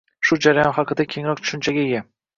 Shu jarayon haqida kengroq tushunchaga ega.